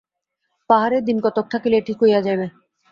পাহাড়ে দিনকতক থাকিলেই ঠিক হইয়া যাইবে।